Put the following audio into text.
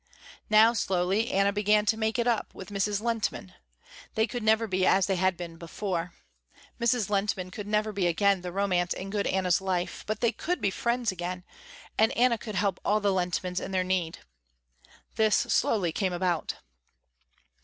Now, slowly, Anna began to make it up with Mrs. Lehntman. They could never be as they had been before. Mrs, Lehntman could never be again the romance in the good Anna's life, but they could be friends again, and Anna could help all the Lehntmans in their need. This slowly came about.